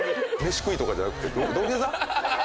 飯食いとかじゃなくて土下座？